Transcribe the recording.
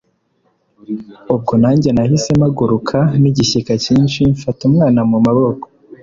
ubwo nanjye nahise mpaguruka n’igishyika cyinshi mfata umwana mu maboko